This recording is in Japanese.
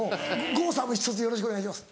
郷さんもひとつよろしくお願いします。